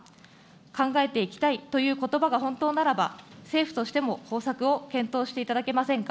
考えていきたいということばが本当ならば、政府としても方策を検討していただけませんか。